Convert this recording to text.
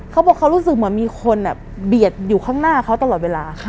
เขาบอกเขารู้สึกเหมือนมีคนเบียดอยู่ข้างหน้าเขาตลอดเวลา